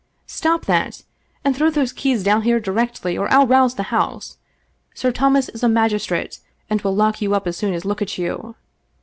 " Stop that, and throw those keys down here directly, or I'll rouse the house. Sir Thomas is a magistrate, and will lock you up as soon as look at you."